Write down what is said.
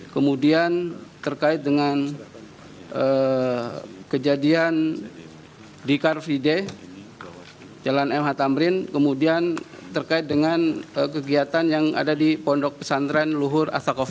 kemudian terkait dengan kejadian di karvideh jalan m hatamrin kemudian terkait dengan kegiatan yang ada di pondok pesantren luhur astagofa